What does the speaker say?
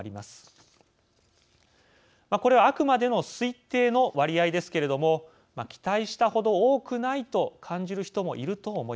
これはあくまでも推定の割合ですけれども期待したほど多くないと感じる人もいると思います。